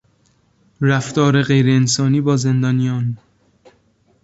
رفتار غیرانسانی با زندانیان